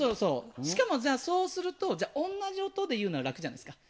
しかもそうすると同じ音で言うと楽じゃないですか。